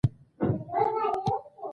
په مالي سکتور کې یې انحصاري فعالیتونه څارل.